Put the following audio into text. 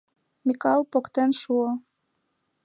Микал поктен шуо.